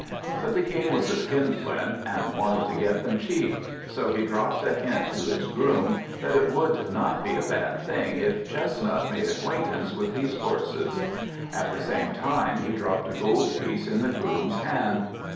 But the King was a skinflint, and wanted to get them cheap; so he dropped a hint to his groom, that it would not be a bad thing if Chestnut made acquaintance with these horses; at the same time, he dropped a gold piece in the groom's hand.